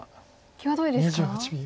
際どいですか？